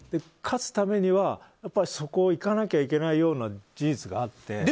勝つためには、そこをいかなきゃいけないような事実があって。